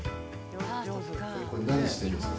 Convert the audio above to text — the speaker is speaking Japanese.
これ、何をしているんですか？